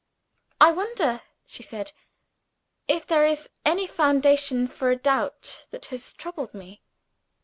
"I wonder," she said, "if there is any foundation for a doubt that has troubled me?"